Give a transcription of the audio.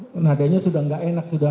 nah adanya sudah tidak enak